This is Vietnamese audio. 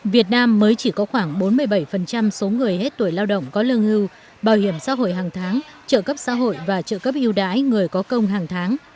việt nam mới chỉ có khoảng bốn mươi bảy số người hết tuổi lao động có lương hưu bảo hiểm xã hội hàng tháng trợ cấp xã hội và trợ cấp hưu đái người có công hàng tháng